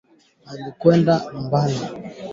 iliyoandaliwa na Raisi Kenyatta